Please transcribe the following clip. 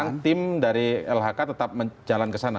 tapi sekarang tim dari lhk tetap menjalan ke sana